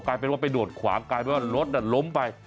กลายเป็นว่าไปโดดขวางกลายเป็นว่ารถล้มไป